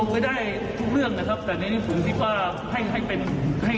มันโยงไว้ได้ทุกเรื่องนะครับแต่ในนี้ผมคิดว่า